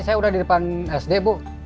saya udah di depan sd bu